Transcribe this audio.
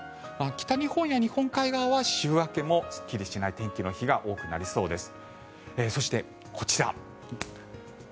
北日本や日本海側は週明けもすっきりしない天気の日が多くなりそうです。